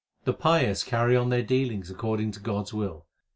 The pious carry on their dealings according to God s will.